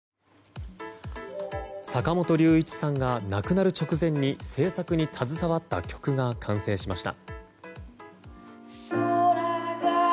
坂本龍一さんが亡くなる直前に制作に携わった曲が完成しました。